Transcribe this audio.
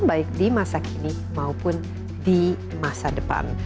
baik di masa kini maupun di masa depan